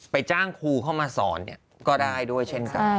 จ้างครูเข้ามาสอนก็ได้ด้วยเช่นกัน